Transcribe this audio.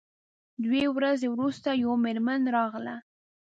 دوې ورځې وروسته یوه میرمن راغله.